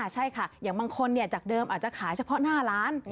ใช่ค่ะอย่างบางคนเนี่ยจากเดิมอาจจะขายเฉพาะ๕ล้าน